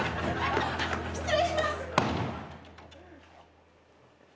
失礼します！